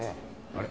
あれ？